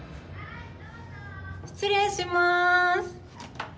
失礼します。